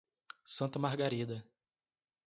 Santa Margarida